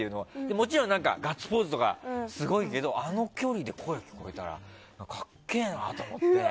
もちろんガッツポーズとかすごいけどあの距離で声が聞こえたらかっけえなと思って。